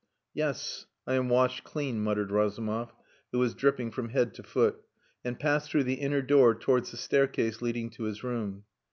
"Yes, I am washed clean," muttered Razumov, who was dripping from head to foot, and passed through the inner door towards the staircase leading to his room.